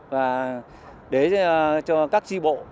và để cho các tri bộ